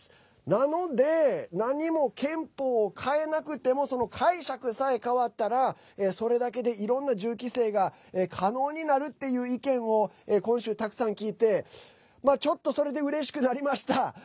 なので何も憲法を変えなくても解釈さえ変わったらそれだけで、いろんな銃規制が可能になるっていう意見を今週たくさん聞いてちょっと、それでうれしくなりました。